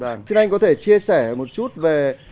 vâng xin anh có thể chia sẻ một chút về